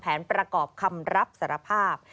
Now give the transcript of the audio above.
แผนประกอบคำรับสารภาพ